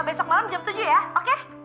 besok malam jam tujuh ya oke